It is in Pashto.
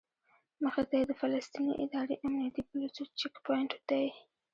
مخې ته یې د فلسطیني ادارې امنیتي پولیسو چیک پواینټ دی.